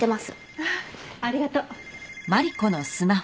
あっありがとう。